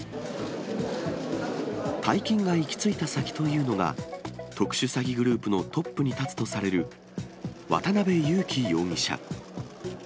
大金が行き着いた先というのが、特殊詐欺グループのトップに立つとされる渡辺優樹容疑者。